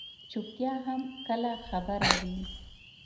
چُپتیا هم کله خبره وي.